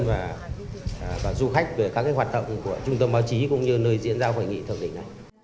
và du khách về các cái hoạt động của trung tâm báo chí cũng như nơi diễn ra hội nghị thượng đình